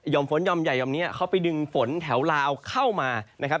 ฝนยอมใหญ่ห่อมนี้เขาไปดึงฝนแถวลาวเข้ามานะครับ